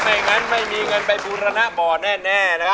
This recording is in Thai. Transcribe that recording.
ไม่งั้นไม่มีเงินไปบุรณบ์แน่นะครับ